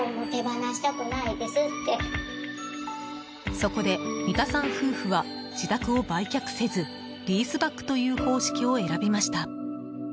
そこで三田さん夫婦は自宅を売却せずリースバックという方式を選びました。